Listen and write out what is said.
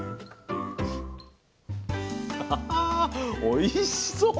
おいしそう！